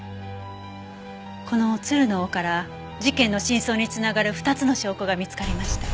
この鶴の尾から事件の真相に繋がる２つの証拠が見つかりました。